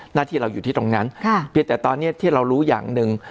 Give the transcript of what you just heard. หน้าที่เราอยู่ที่ตรงนั้นเพียงแต่ตอนนี้ที่เรารู้อย่างหนึ่ง